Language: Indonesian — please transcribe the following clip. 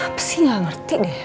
apa sih gak ngerti deh